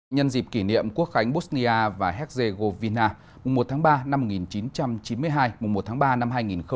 nhân dịp kỷ niệm quốc khánh bosnia và herzegovina một tháng ba năm một nghìn chín trăm chín mươi hai một tháng ba năm hai nghìn hai mươi